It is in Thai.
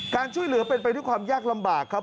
การช่วยเหลือเป็นไปด้วยความยากลำบากครับ